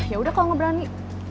ya udah kalau gak berani